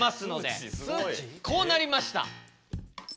こうなりました！